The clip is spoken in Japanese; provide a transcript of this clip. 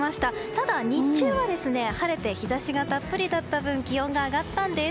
ただ、日中は晴れて日差しがたっぷりだった分気温が上がったんです。